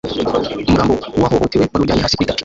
umurambo w'uwahohotewe wari uryamye hasi kuri tapi